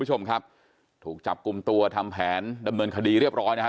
คุณผู้ชมครับถูกจับกลุ่มตัวทำแผนดำเนินคดีเรียบร้อยนะฮะ